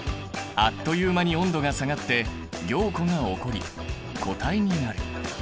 あっという間に温度が下がって凝固が起こり固体になる。